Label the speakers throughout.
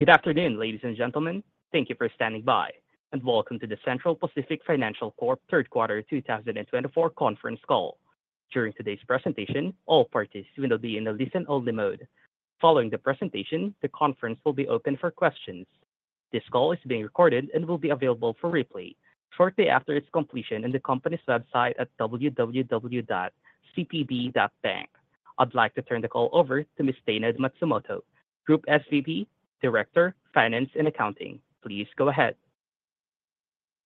Speaker 1: Good afternoon, ladies and gentlemen. Thank you for standing by, and welcome to the Central Pacific Financial Corp. third quarter 2024 conference call. During today's presentation, all participants will be in a listen-only mode. Following the presentation, the conference will be open for questions. This call is being recorded and will be available for replay shortly after its completion on the company's website at www.cpb.bank. I'd like to turn the call over to Ms. Dayna Matsumoto, Group SVP, Director of Finance and Accounting. Please go ahead.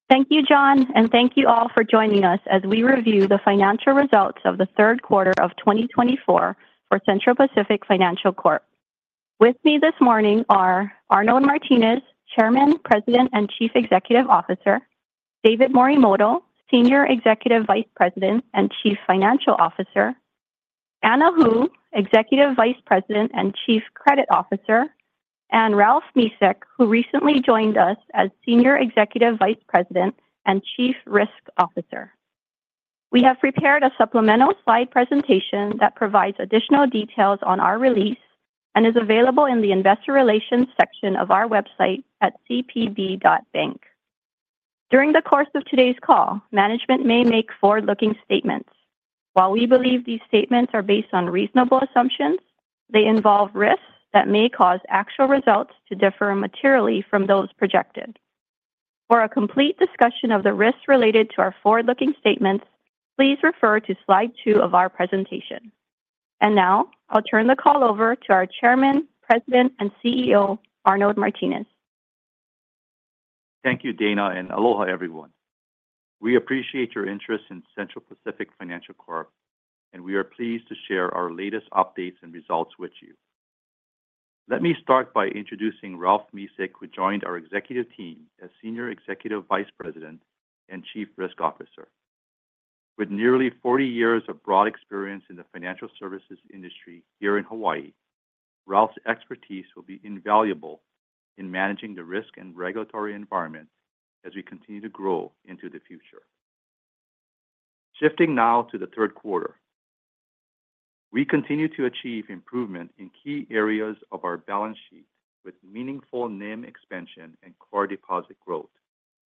Speaker 2: Thank you, John, and thank you all for joining us as we review the financial results of the third quarter of 2024 for Central Pacific Financial Corp. With me this morning are Arnold Martines, Chairman, President, and Chief Executive Officer, David Morimoto, Senior Executive Vice President and Chief Financial Officer, Anna Hu, Executive Vice President and Chief Credit Officer, and Ralph Mesick, who recently joined us as Senior Executive Vice President and Chief Risk Officer. We have prepared a supplemental slide presentation that provides additional details on our release and is available in the Investor Relations section of our website at cpb.bank. During the course of today's call, management may make forward-looking statements. While we believe these statements are based on reasonable assumptions, they involve risks that may cause actual results to differ materially from those projected. For a complete discussion of the risks related to our forward-looking statements, please refer to slide two of our presentation. And now, I'll turn the call over to our Chairman, President, and CEO, Arnold Martines.
Speaker 3: Thank you, Dayna, and aloha everyone. We appreciate your interest in Central Pacific Financial Corp., and we are pleased to share our latest updates and results with you. Let me start by introducing Ralph Mesick, who joined our executive team as Senior Executive Vice President and Chief Risk Officer. With nearly 40 years of broad experience in the financial services industry here in Hawaii, Ralph's expertise will be invaluable in managing the risk and regulatory environment as we continue to grow into the future. Shifting now to the third quarter, we continue to achieve improvement in key areas of our balance sheet with meaningful NIM expansion and core deposit growth,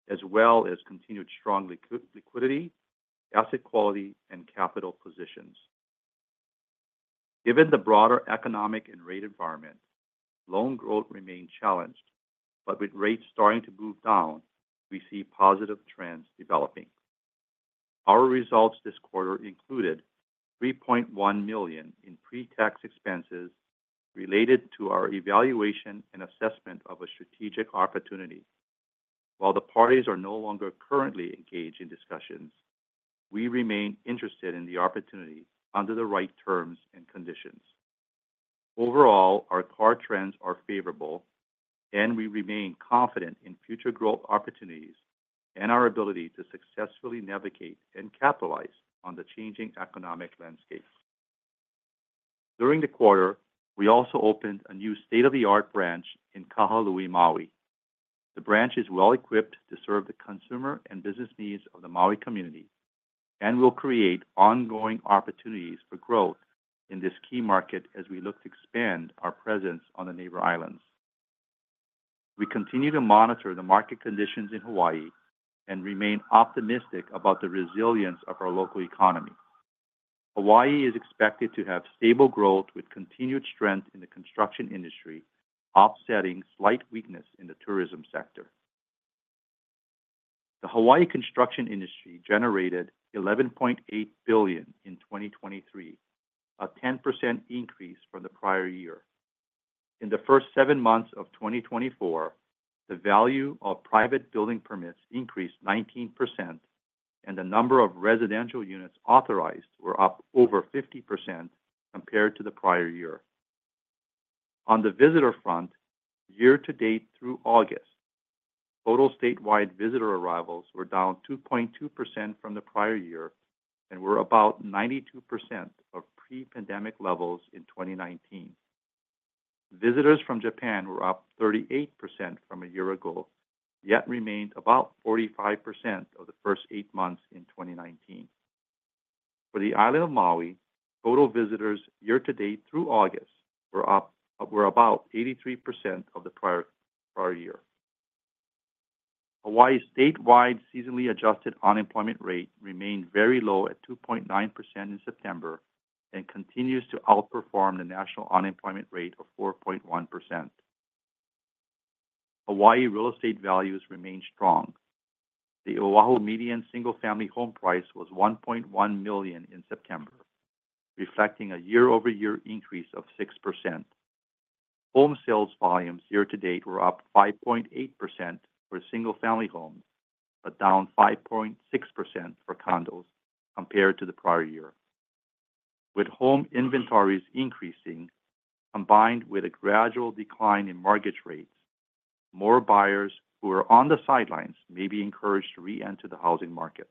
Speaker 3: as well as continued strong liquidity, asset quality, and capital positions. Given the broader economic and rate environment, loan growth remains challenged, but with rates starting to move down, we see positive trends developing. Our results this quarter included $3.1 million in pre-tax expenses related to our evaluation and assessment of a strategic opportunity. While the parties are no longer currently engaged in discussions, we remain interested in the opportunity under the right terms and conditions. Overall, our core trends are favorable, and we remain confident in future growth opportunities and our ability to successfully navigate and capitalize on the changing economic landscape. During the quarter, we also opened a new state-of-the-art branch in Kahului, Maui. The branch is well-equipped to serve the consumer and business needs of the Maui community and will create ongoing opportunities for growth in this key market as we look to expand our presence on the neighbor islands. We continue to monitor the market conditions in Hawaii and remain optimistic about the resilience of our local economy. Hawaii is expected to have stable growth with continued strength in the construction industry, offsetting slight weakness in the tourism sector. The Hawaii construction industry generated $11.8 billion in 2023, a 10% increase from the prior year. In the first seven months of 2024, the value of private building permits increased 19%, and the number of residential units authorized was up over 50% compared to the prior year. On the visitor front, year-to-date through August, total statewide visitor arrivals were down 2.2% from the prior year and were about 92% of pre-pandemic levels in 2019. Visitors from Japan were up 38% from a year ago, yet remained about 45% of the first eight months in 2019. For the island of Maui, total visitors year-to-date through August were about 83% of the prior year. Hawaii's statewide seasonally adjusted unemployment rate remained very low at 2.9% in September and continues to outperform the national unemployment rate of 4.1%. Hawaii real estate values remained strong. The Oahu median single-family home price was $1.1 million in September, reflecting a year-over-year increase of 6%. Home sales volumes year-to-date were up 5.8% for single-family homes but down 5.6% for condos compared to the prior year. With home inventories increasing, combined with a gradual decline in mortgage rates, more buyers who are on the sidelines may be encouraged to re-enter the housing market.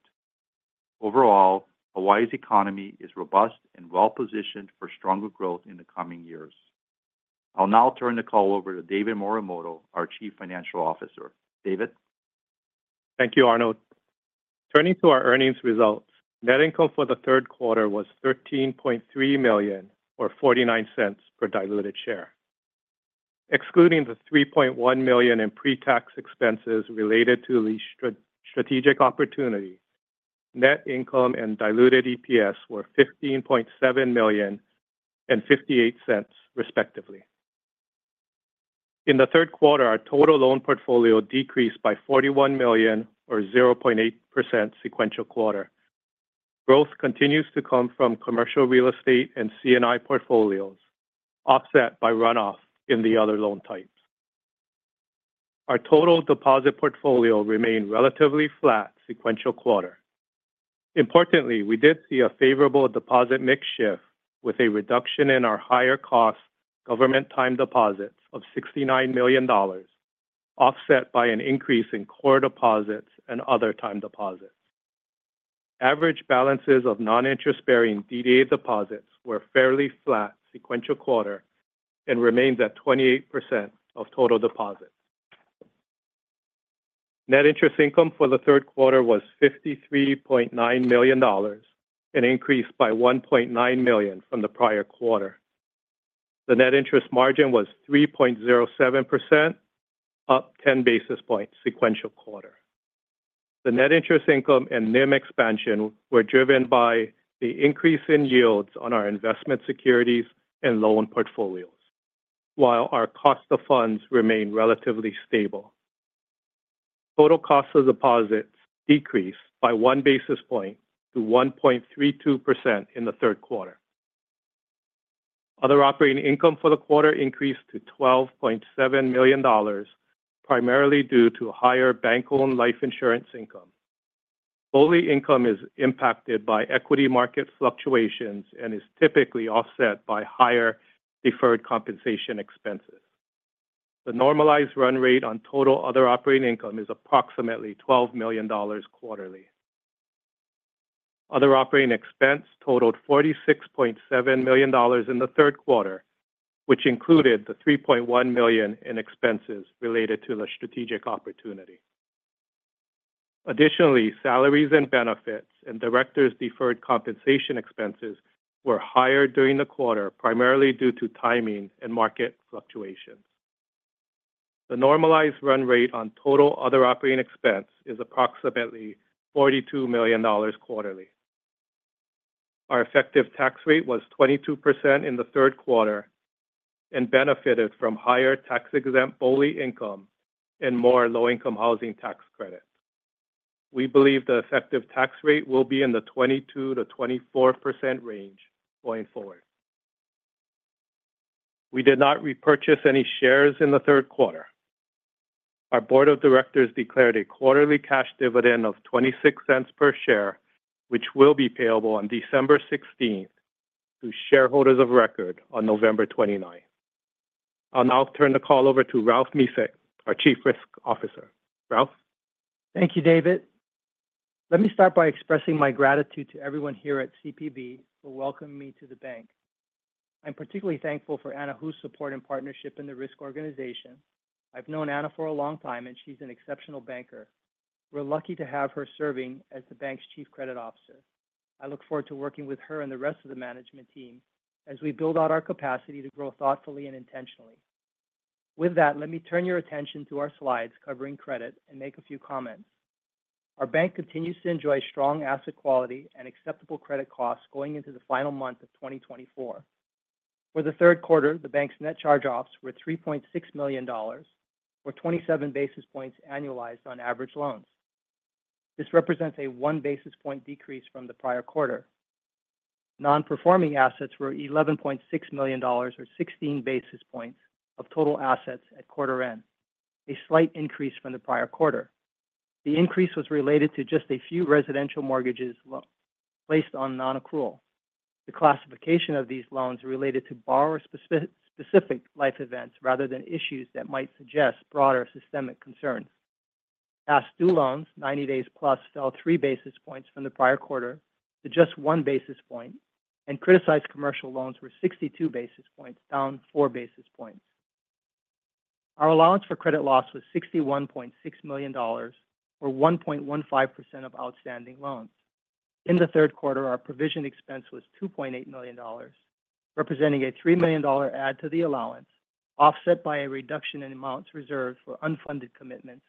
Speaker 3: Overall, Hawaii's economy is robust and well-positioned for stronger growth in the coming years. I'll now turn the call over to David Morimoto, our Chief Financial Officer. David.
Speaker 4: Thank you, Arnold. Turning to our earnings results, net income for the third quarter was $13.3 million or $0.49 per diluted share. Excluding the $3.1 million in pre-tax expenses related to the strategic opportunity, net income and diluted EPS were $15.7 million and $0.58, respectively. In the third quarter, our total loan portfolio decreased by $41 million or 0.8% sequential quarter. Growth continues to come from commercial real estate and C&I portfolios, offset by runoff in the other loan types. Our total deposit portfolio remained relatively flat sequential quarter. Importantly, we did see a favorable deposit mix shift with a reduction in our higher-cost government time deposits of $69 million, offset by an increase in core deposits and other time deposits. Average balances of non-interest-bearing DDA deposits were fairly flat sequential quarter and remained at 28% of total deposits. Net interest income for the third quarter was $53.9 million, an increase by $1.9 million from the prior quarter. The net interest margin was 3.07%, up 10 basis points sequential quarter. The net interest income and NIM expansion were driven by the increase in yields on our investment securities and loan portfolios, while our cost of funds remained relatively stable. Total cost of deposits decreased by one basis point to 1.32% in the third quarter. Other operating income for the quarter increased to $12.7 million, primarily due to higher bank-owned life insurance income. BOLI income is impacted by equity market fluctuations and is typically offset by higher deferred compensation expenses. The normalized run rate on total other operating income is approximately $12 million quarterly. Other operating expense totaled $46.7 million in the third quarter, which included the $3.1 million in expenses related to the strategic opportunity. Additionally, salaries and benefits and directors' deferred compensation expenses were higher during the quarter, primarily due to timing and market fluctuations. The normalized run rate on total other operating expense is approximately $42 million quarterly. Our effective tax rate was 22% in the third quarter and benefited from higher tax-exempt BOLI income and more Low-Income Housing Tax Credit. We believe the effective tax rate will be in the 22%-24% range going forward. We did not repurchase any shares in the third quarter. Our board of directors declared a quarterly cash dividend of $0.26 per share, which will be payable on December 16th to shareholders of record on November 29th. I'll now turn the call over to Ralph Mesick, our Chief Risk Officer. Ralph.
Speaker 5: Thank you, David. Let me start by expressing my gratitude to everyone here at CPB for welcoming me to the bank. I'm particularly thankful for Anna Hu's support and partnership in the risk organization. I've known Anna for a long time, and she's an exceptional banker. We're lucky to have her serving as the bank's Chief Credit Officer. I look forward to working with her and the rest of the management team as we build out our capacity to grow thoughtfully and intentionally. With that, let me turn your attention to our slides covering credit and make a few comments. Our bank continues to enjoy strong asset quality and acceptable credit costs going into the final month of 2024. For the third quarter, the bank's net charge-offs were $3.6 million, or 27 basis points annualized on average loans. This represents a one basis point decrease from the prior quarter. Non-performing assets were $11.6 million, or 16 basis points of total assets at quarter end, a slight increase from the prior quarter. The increase was related to just a few residential mortgages placed on non-accrual. The classification of these loans related to borrower-specific life events rather than issues that might suggest broader systemic concerns. Past due loans, 90 days plus, fell three basis points from the prior quarter to just one basis point, and criticized commercial loans were 62 basis points, down four basis points. Our allowance for credit loss was $61.6 million, or 1.15% of outstanding loans. In the third quarter, our provision expense was $2.8 million, representing a $3 million add to the allowance, offset by a reduction in amounts reserved for unfunded commitments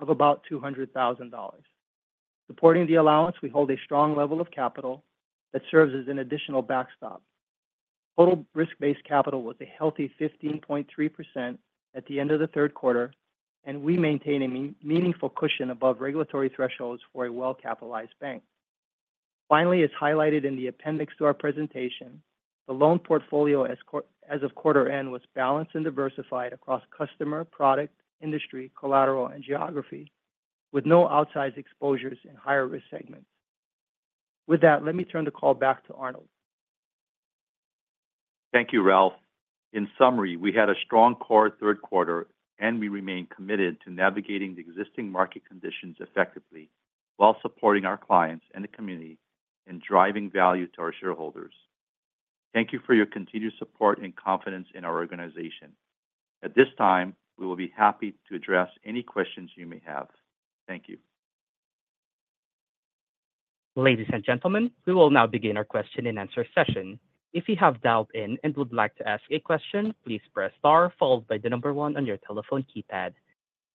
Speaker 5: of about $200,000. Supporting the allowance, we hold a strong level of capital that serves as an additional backstop. Total risk-based capital was a healthy 15.3% at the end of the third quarter, and we maintain a meaningful cushion above regulatory thresholds for a well-capitalized bank. Finally, as highlighted in the appendix to our presentation, the loan portfolio as of quarter end was balanced and diversified across customer, product, industry, collateral, and geography, with no outsized exposures in higher-risk segments. With that, let me turn the call back to Arnold.
Speaker 3: Thank you, Ralph. In summary, we had a strong core third quarter, and we remain committed to navigating the existing market conditions effectively while supporting our clients and the community and driving value to our shareholders. Thank you for your continued support and confidence in our organization. At this time, we will be happy to address any questions you may have. Thank you.
Speaker 1: Ladies and gentlemen, we will now begin our question and answer session. If you have dialed in and would like to ask a question, please press star followed by the number one on your telephone keypad.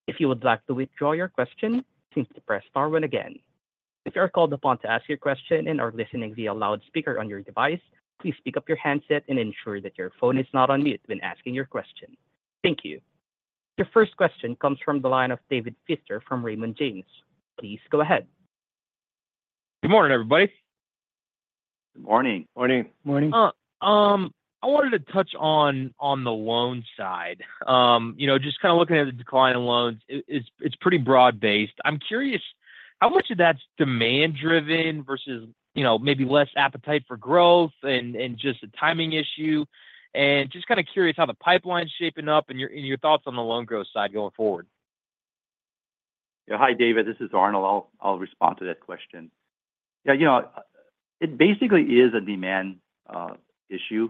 Speaker 1: If you would like to withdraw your question, please press star two again. If you are called upon to ask your question and are listening via loudspeaker on your device, please pick up your handset and ensure that your phone is not on mute when asking your question. Thank you. Your first question comes from the line of David Feaster from Raymond James. Please go ahead.
Speaker 6: Good morning, everybody.
Speaker 7: Good morning.
Speaker 4: Morning.
Speaker 5: Morning.
Speaker 6: I wanted to touch on the loan side. Just kind of looking at the decline in loans, it's pretty broad-based. I'm curious how much of that's demand-driven versus maybe less appetite for growth and just a timing issue, and just kind of curious how the pipeline's shaping up and your thoughts on the loan growth side going forward.
Speaker 3: Hi, David. This is Arnold. I'll respond to that question. Yeah, it basically is a demand issue.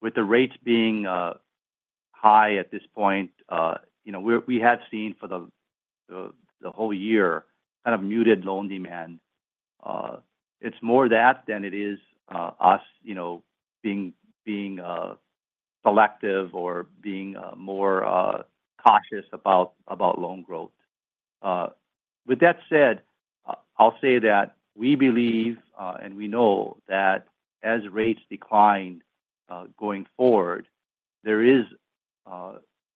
Speaker 3: With the rates being high at this point, we have seen for the whole year kind of muted loan demand. It's more that than it is us being selective or being more cautious about loan growth. With that said, I'll say that we believe and we know that as rates decline going forward, there is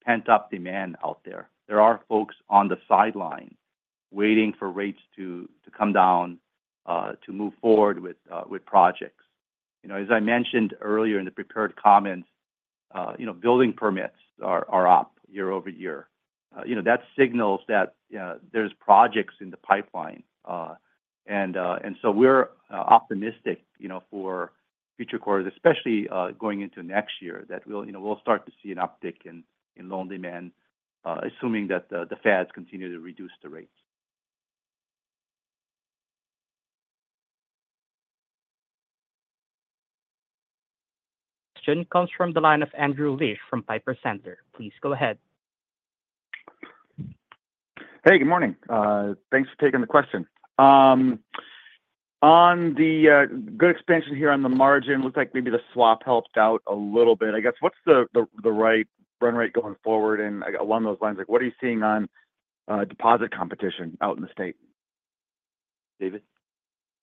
Speaker 3: pent-up demand out there. There are folks on the sideline waiting for rates to come down to move forward with projects. As I mentioned earlier in the prepared comments, building permits are up year over year. That signals that there's projects in the pipeline, and so we're optimistic for future quarters, especially going into next year, that we'll start to see an uptick in loan demand, assuming that the Fed continues to reduce the rates.
Speaker 1: Question comes from the line of Andrew Liesch from Piper Sandler. Please go ahead.
Speaker 7: Hey, good morning. Thanks for taking the question. On the good expansion here on the margin, it looks like maybe the swap helped out a little bit. I guess, what's the run rate going forward? And along those lines, what are you seeing on deposit competition out in the state?
Speaker 3: David?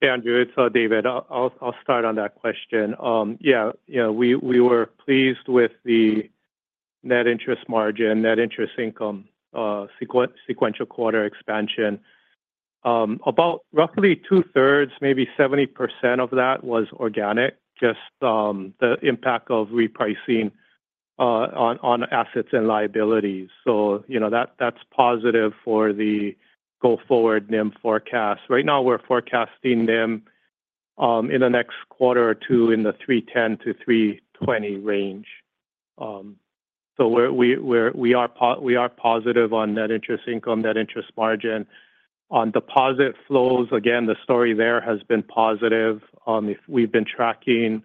Speaker 4: Hey, Andrew. It's David. I'll start on that question. Yeah, we were pleased with the net interest margin, net interest income, sequential quarter expansion. About roughly 2/3, maybe 70% of that was organic, just the impact of repricing on assets and liabilities. So that's positive for the go-forward NIM forecast. Right now, we're forecasting NIM in the next quarter or two in the 3.10%-3.20% range. So we are positive on net interest income, net interest margin. On deposit flows, again, the story there has been positive. We've been tracking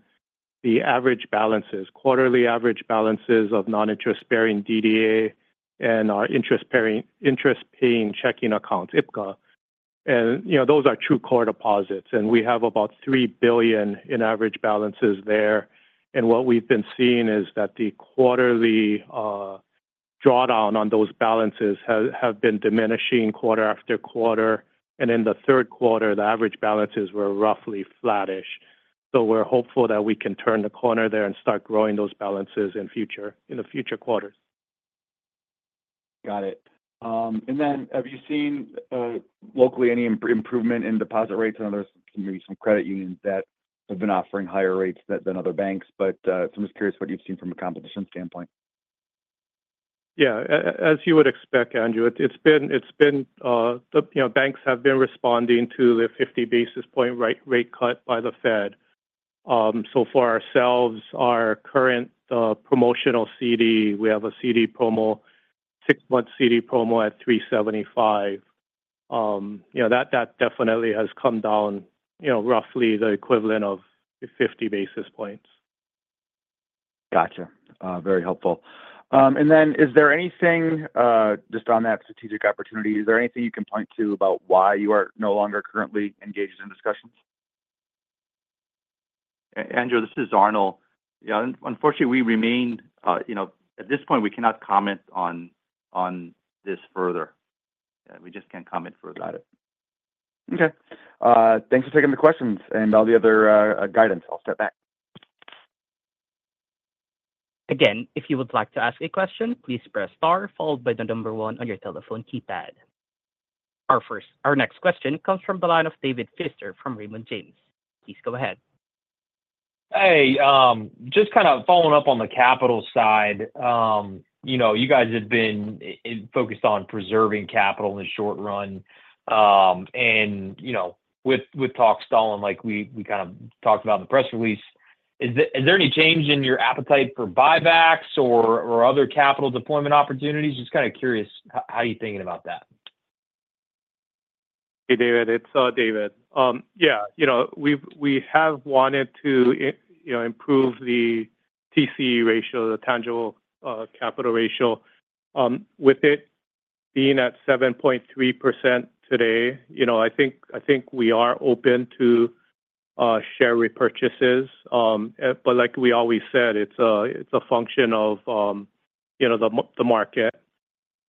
Speaker 4: the average balances, quarterly average balances of non-interest-bearing DDA and our interest-paying checking accounts, IPCA. And those are true core deposits. And we have about $3 billion in average balances there. And what we've been seeing is that the quarterly drawdown on those balances has been diminishing quarter after quarter. In the third quarter, the average balances were roughly flattish. We're hopeful that we can turn the corner there and start growing those balances in the future quarters.
Speaker 7: Got it. And then, have you seen locally any improvement in deposit rates? I know there's maybe some credit unions that have been offering higher rates than other banks, but I'm just curious what you've seen from a competition standpoint.
Speaker 4: Yeah, as you would expect, Andrew, it's been the banks have been responding to the 50 basis point rate cut by the Fed. So for ourselves, our current promotional CD, we have a CD promo, six-month CD promo at 3.75%. That definitely has come down roughly the equivalent of 50 basis points.
Speaker 7: Gotcha. Very helpful. And then, is there anything just on that strategic opportunity? Is there anything you can point to about why you are no longer currently engaged in discussions?
Speaker 3: Andrew, this is Arnold. Yeah, unfortunately, we remain at this point, we cannot comment on this further. We just can't comment further about it.
Speaker 7: Okay. Thanks for taking the questions and all the other guidance. I'll step back.
Speaker 1: Again, if you would like to ask a question, please press star followed by the number one on your telephone keypad. Our next question comes from the line of David Feaster from Raymond James. Please go ahead.
Speaker 6: Hey, just kind of following up on the capital side, you guys have been focused on preserving capital in the short run, and with talks of rate cuts, like we kind of talked about in the press release, is there any change in your appetite for buybacks or other capital deployment opportunities? Just kind of curious how you're thinking about that?
Speaker 4: Hey, David. It's David. Yeah, we have wanted to improve the TCE ratio, the tangible capital ratio. With it being at 7.3% today, I think we are open to share repurchases. But like we always said, it's a function of the market.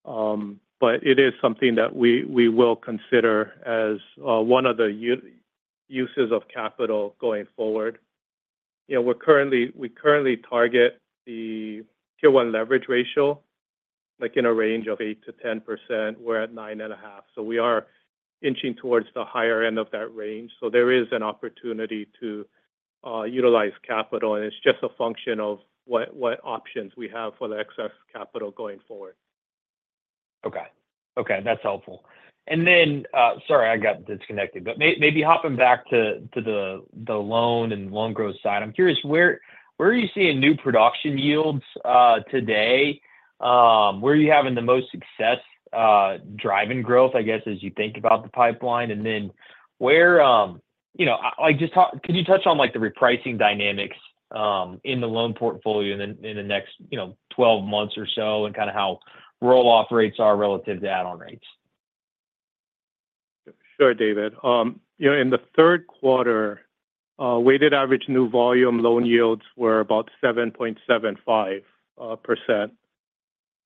Speaker 4: But it is something that we will consider as one of the uses of capital going forward. We currently target the Tier 1 leverage ratio in a range of 8%-10%. We're at 9.5%. So we are inching towards the higher end of that range. So there is an opportunity to utilize capital. And it's just a function of what options we have for the excess capital going forward.
Speaker 6: Okay. Okay. That's helpful. And then, sorry, I got disconnected. But maybe hopping back to the loan and loan growth side, I'm curious, where are you seeing new production yields today? Where are you having the most success driving growth, I guess, as you think about the pipeline? And then where can you touch on the repricing dynamics in the loan portfolio in the next 12 months or so and kind of how roll-off rates are relative to add-on rates?
Speaker 4: Sure, David. In the third quarter, weighted average new volume loan yields were about 7.75%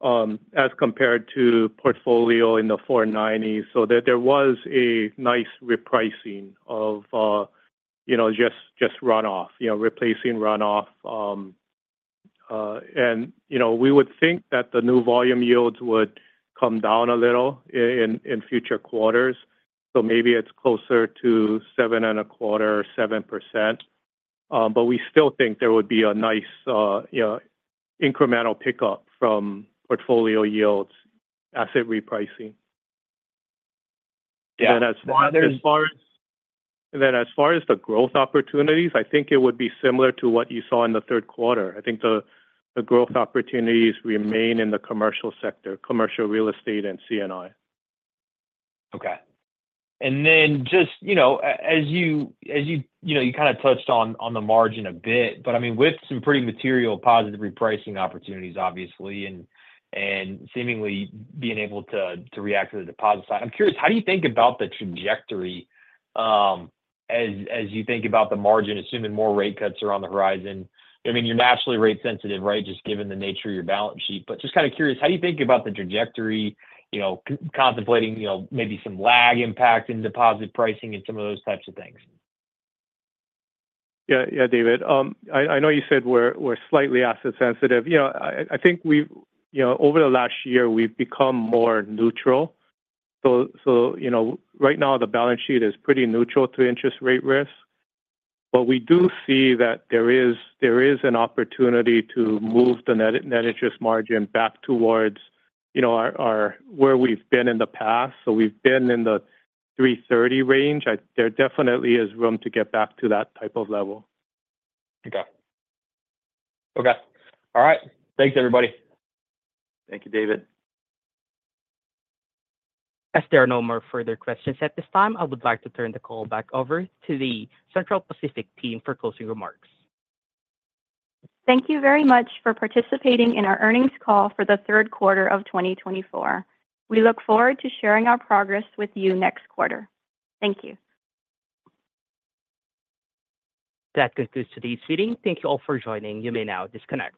Speaker 4: as compared to portfolio in the 4.90%. So there was a nice repricing of just run-off, replacing run-off. And we would think that the new volume yields would come down a little in future quarters. So maybe it's closer to 7.25 or 7%. But we still think there would be a nice incremental pickup from portfolio yields, asset repricing. And then as far as.
Speaker 3: Yeah. Well, Andrew.
Speaker 4: And then as far as the growth opportunities, I think it would be similar to what you saw in the third quarter. I think the growth opportunities remain in the commercial sector, commercial real estate, and C&I.
Speaker 6: Okay. And then just as you kind of touched on the margin a bit, but I mean, with some pretty material positive repricing opportunities, obviously, and seemingly being able to react to the deposit side, I'm curious, how do you think about the trajectory as you think about the margin, assuming more rate cuts are on the horizon? I mean, you're naturally rate-sensitive, right, just given the nature of your balance sheet. But just kind of curious, how do you think about the trajectory, contemplating maybe some lag impact in deposit pricing and some of those types of things?
Speaker 4: Yeah. Yeah, David. I know you said we're slightly asset-sensitive. I think over the last year, we've become more neutral. So right now, the balance sheet is pretty neutral to interest rate risk. But we do see that there is an opportunity to move the net interest margin back towards where we've been in the past. So we've been in the 3.30% range. There definitely is room to get back to that type of level.
Speaker 6: Okay. Okay. All right. Thanks, everybody.
Speaker 4: Thank you, David.
Speaker 1: As there are no more further questions at this time, I would like to turn the call back over to the Central Pacific team for closing remarks.
Speaker 2: Thank you very much for participating in our earnings call for the third quarter of 2024. We look forward to sharing our progress with you next quarter. Thank you.
Speaker 1: That concludes today's meeting. Thank you all for joining. You may now disconnect.